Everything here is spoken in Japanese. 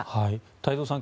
太蔵さん